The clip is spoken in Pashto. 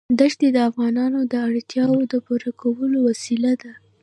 دښتې د افغانانو د اړتیاوو د پوره کولو وسیله ده.